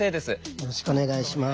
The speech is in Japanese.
よろしくお願いします。